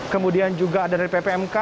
kemudian juga ada dari ppmk